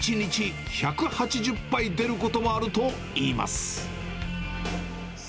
週末ともなると、１日１８０杯出ることもあるといいます。